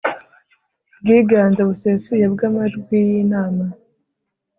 bwiganze busesuye bw amajwi y inama